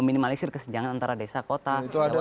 meminimalisir kesenjangan antara desa kota jawa luar jawa